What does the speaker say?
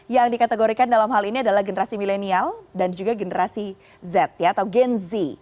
yang dikategorikan dalam hal ini adalah generasi milenial dan juga generasi z atau gen z